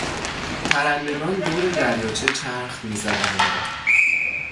پرندگان دور دریاچه چرخ میزدند.